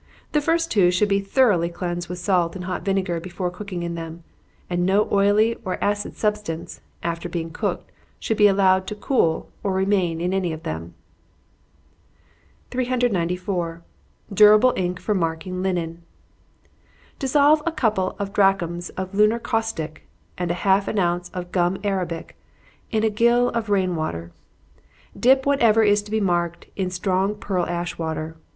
The two first should be thoroughly cleansed with salt and hot vinegar before cooking in them, and no oily or acid substance, after being cooked, should be allowed to cool or remain in any of them. 394. Durable Ink for Marking Linen. Dissolve a couple of drachms of lunar caustic, and half an ounce of gum arabic, in a gill of rain water. Dip whatever is to be marked in strong pearl ash water.